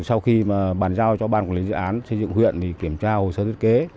sau khi bàn giao cho ban quản lý dự án xây dựng huyện thì kiểm tra hồ sơ thiết kế